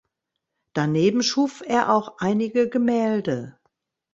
Daneben schuf er auch einige Gemälde.